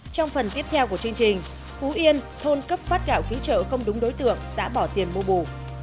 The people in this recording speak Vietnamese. trong phần tiếp theo của chương trình phú yên thôn cấp phát gạo cứu trợ không đúng đối tượng sẽ bỏ tiền mua bù